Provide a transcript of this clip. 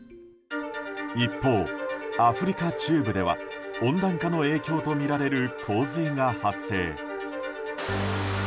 一方、アフリカ中部では温暖化の影響とみられる洪水が発生。